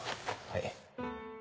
はい